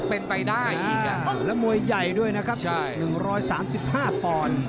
เป็นไปได้อีกแล้วมวยใหญ่ด้วยนะครับ๑๓๕ปอนด์